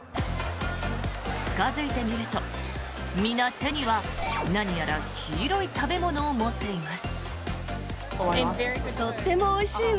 近付いてみると皆、手には何やら黄色い食べ物を持っています。